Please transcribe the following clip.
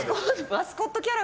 マスコットキャラ。